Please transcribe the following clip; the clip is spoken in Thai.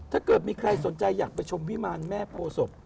ถ้าเกิดมีใครสนใจอยากไปชมวิมารแม่โพศพ